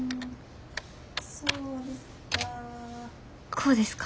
こうですか？